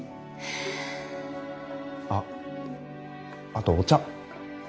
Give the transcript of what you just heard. あっあとお茶。